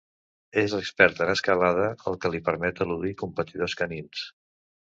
És expert en escalada, el que li permet eludir competidors canins.